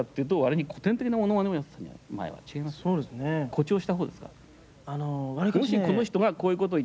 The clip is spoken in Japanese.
誇張したほうですか？